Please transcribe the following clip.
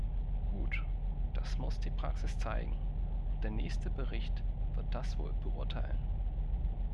Gut, das muss die Praxis zeigen, und der nächste Bericht wird das wohl beurteilen.